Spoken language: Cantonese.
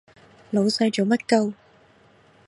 老細做乜 𨳊